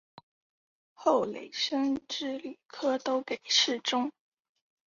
后累升至礼科都给事中。